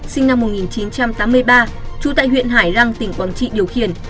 sinh năm một nghìn chín trăm tám mươi ba trú tại huyện hải lăng tỉnh quảng trị điều khiển